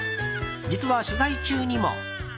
実は取材中にも。